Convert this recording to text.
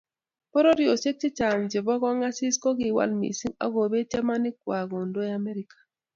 Pororiosiek chechang chebo kongasis kokiwal missing akobet chamanik kwai kondoe Amerika